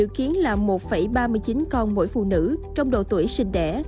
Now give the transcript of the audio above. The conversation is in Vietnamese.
trong khi năm hai nghìn hai mươi một là một ba mươi chín con mỗi phụ nữ trong độ tuổi sinh đẻ